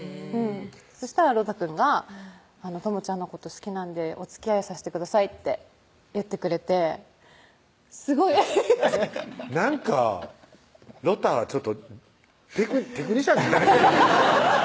そしたらロタくんが「倫ちゃんのこと好きなんでおつきあいさせてください」って言ってくれてすごいフフフッなんかロタちょっとテクニシャンじゃないですか？